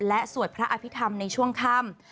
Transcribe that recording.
และสวดพระอภิษฐรรมในช่วงค่ำ